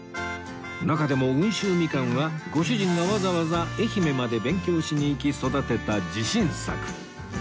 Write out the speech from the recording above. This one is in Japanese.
中でも温州みかんはご主人がわざわざ愛媛まで勉強しに行き育てた自信作！